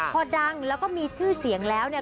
พอดังแล้วก็มีชื่อเสียงแล้วเนี่ย